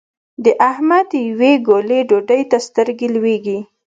د احمد يوې ګولې ډوډۍ ته سترګې لوېږي.